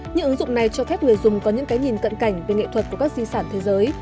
những ứng dụng này cho phép người dùng có những cái nhìn cận cảnh về nghệ thuật của các di sản thế giới